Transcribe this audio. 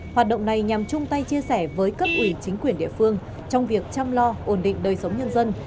hoạt động này nhằm chung tay chia sẻ với cấp ủy chính quyền địa phương trong việc chăm lo ổn định đời sống nhân dân